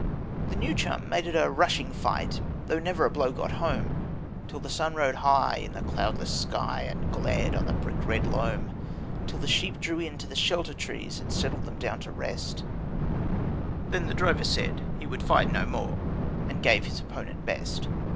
The new chum made it a rushing fight, though never a blow got home, Till the sun rode high in the cloudless sky and glared on the brick red loam, Till the sheep drew in to the shelter trees and settled them down to rest, Then the drover said he would fight no more and he gave his opponent best.